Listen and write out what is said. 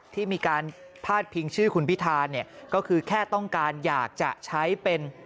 ที่มีการพาดพิงชื่อคุณพิธาเนี่ยก็คือแค่ต้องการอยากจะใช้เป็น